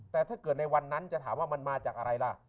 แต่ถ้าเกิดในวันนั้นจะถามว่ามันมาจากอะไรล่ะ